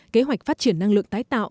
kế hoạch phát triển năng lượng tái tạo